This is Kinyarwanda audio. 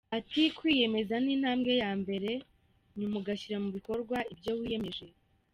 Ati “ Kwiyemeza ni intambwe ya mbere, nyuma ugashyira mu bikorwa ibyo wiyemeje.